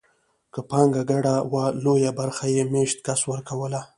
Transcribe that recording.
که پانګه ګډه وه لویه برخه یې مېشت کس ورکوله